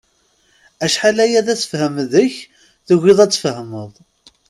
Acḥal aya d asefhem deg-k, tugiḍ ad tfehmeḍ.